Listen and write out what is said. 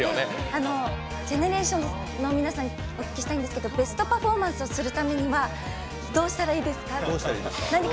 ＧＥＮＥＲＡＴＩＯＮＳの皆さんにお聞きしたいんですけどベストパフォーマンスをするためにはどうしたらいいですか？